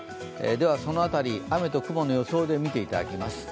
その辺り、雨と雲の予想で見ていただきます。